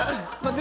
で